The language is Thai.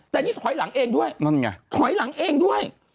แต่นี่ถอยหลังเองด้วยนั่นไงถอยหลังเองด้วย